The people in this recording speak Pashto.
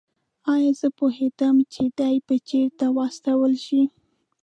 ایا زه پوهېدم چې دی به چېرې واستول شي؟